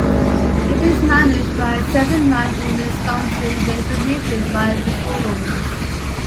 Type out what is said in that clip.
It is managed by a seven-man Owner's Council designated by the four owners.